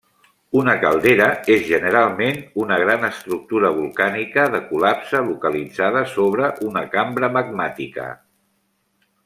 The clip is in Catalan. Una caldera és generalment una gran estructura volcànica de col·lapse localitzada sobre una cambra magmàtica.